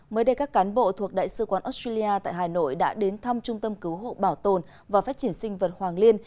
mới đây các cán bộ thuộc đại sứ quán australia tại hà nội đã đến thăm trung tâm cứu hộ bảo tồn và phát triển sinh vật hoàng liên